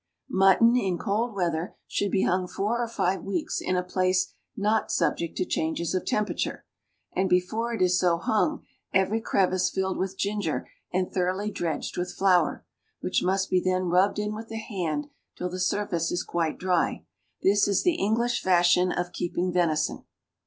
Mutton in cold weather should be hung four or five weeks in a place not subject to changes of temperature, and before it is so hung, every crevice filled with ginger and thoroughly dredged with flour, which must be then rubbed in with the hand till the surface is quite dry. This is the English fashion of keeping venison.